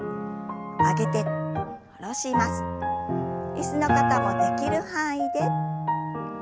椅子の方もできる範囲で。